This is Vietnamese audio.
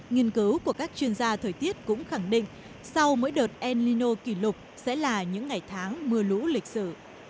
nghiên cứu của các chuyên gia thời tiết cũng khẳng định sau mỗi đợt el nino kỷ lục sẽ là những ngày tháng mưa lũ lịch sử